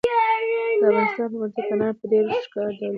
د افغانستان په منظره کې انار په ډېر ښکاره ډول لیدل کېږي.